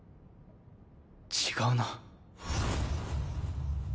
違うな。